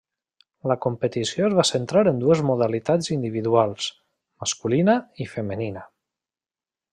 La competició es va centrar en dues modalitats individuals, masculina i femenina.